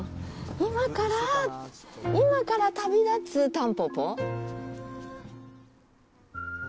今からー、今から旅立つたんぽぽ。